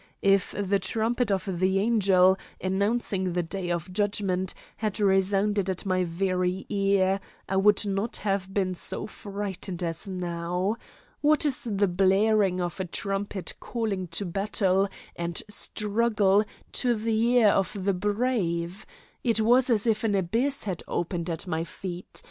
If the trumpet of the angel, announcing the day of judgment, had resounded at my very ear, I would not have been so frightened as now. What is the blaring of a trumpet calling to battle and struggle to the ear of the brave? It was as if an abyss had opened at my feet.